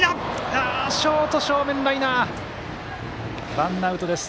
ワンアウトです。